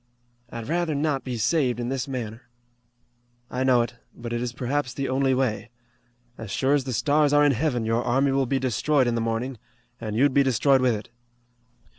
"I'd rather not be saved in this manner." "I know it, but it is perhaps the only way. As sure as the stars are in Heaven your army will be destroyed in the morning, an' you'd be destroyed with it.